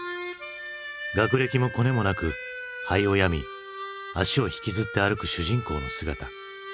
学歴もコネもなく肺を病み足を引きずって歩く主人公の姿。